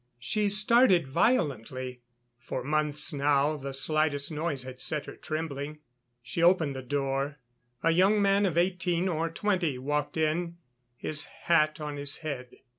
She started violently; for months now the slightest noise had set her trembling. She opened the door. A young man of eighteen or twenty walked in, his hat on his head.